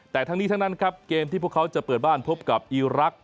แต่ทั้งนี้ทั้งนั้นครับเกมที่พวกเขาจะเปิดบ้านพบกับอีรักษ